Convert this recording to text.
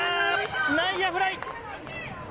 内野フライ！